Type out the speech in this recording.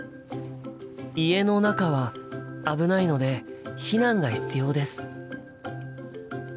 家の中は危ないので避難が必要です。